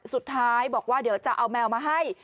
สุดท้ายบอกว่าเดี๋ยวจะเอาแมวมาให้